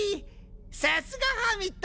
さすがハーミット！